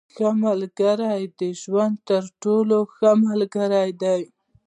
• ښه ملګری د ژوند تر ټولو ښه ملګری دی.